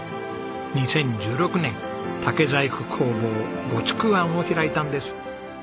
２０１６年竹細工工房伍竹庵を開いたんです。